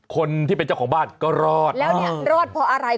คนที่เป็นเจ้าของบ้านก็รอดแล้วเนี่ยรอดเพราะอะไร